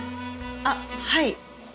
あっはい。